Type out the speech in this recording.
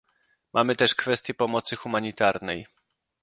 Mamy też kwestię pomocy humanitarnej